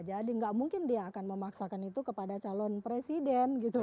jadi gak mungkin dia akan memaksakan itu kepada calon presiden gitu kan